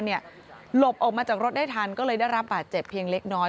หลบออกมาจากรถได้ทันก็เลยได้รับบาดเจ็บเพียงเล็กน้อย